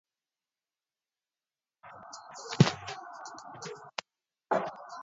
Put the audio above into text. akitoa hakikisho hili baada ya mtu kulipua bomu